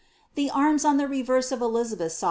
The arms on the reverse of Elizabeth's sove« ' Camden.